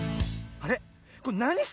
あれ？